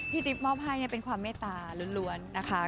จิ๊บมอบให้เป็นความเมตตาล้วนนะคะ